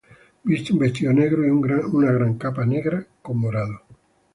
Viste un vestido negro y una gran capa negra con morado.